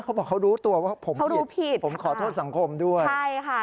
เขาบอกเขารู้ตัวว่าผมผิดผมขอโทษสังคมด้วยใช่ค่ะ